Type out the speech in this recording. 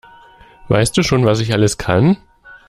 Was weißt du schon, was ich alles kann?